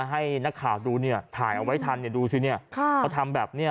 ให้นักข่าวดูเนี่ยถ่ายเอาไว้ทันเนี่ยดูสิเนี่ยเขาทำแบบนี้